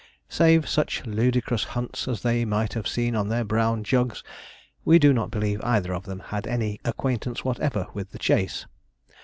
Save such ludicrous hunts as they might have seen on their brown jugs, we do not believe either of them had any acquaintance whatever with the chase.